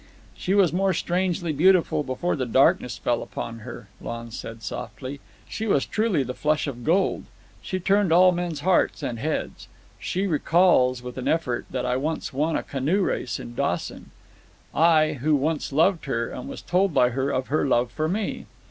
"She was more strangely beautiful before the darkness fell upon her," Lon said softly. "She was truly the Flush of Gold. She turned all men's hearts ... and heads. She recalls, with an effort, that I once won a canoe race at Dawson—I, who once loved her, and was told by her of her love for me.